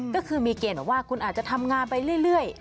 ก็คือมีเกณฑ์แบบว่าคุณอาจจะทำงานไปเรื่อย